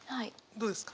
どうですか？